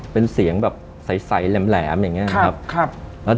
เป็นเสียงแบบใสแหลมอย่างนี้นะครับ